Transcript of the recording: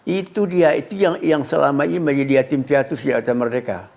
itu dia itu yang selama ini menjadi atim siatus di atas merdeka